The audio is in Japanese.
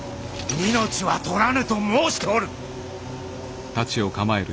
命は取らぬと申しておる！